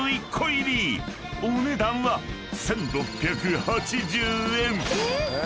［お値段は１，６８０円］